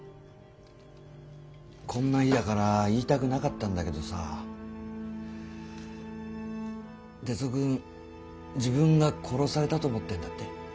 こんな日だから言いたくなかったんだけどさ徹生君自分が殺されたと思ってるんだって？